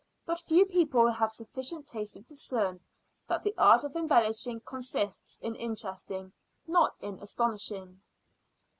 But few people have sufficient taste to discern, that the art of embellishing consists in interesting, not in astonishing.